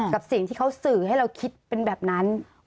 กับสิ่งที่เขาสื่อให้เราคิดเป็นแบบนั้น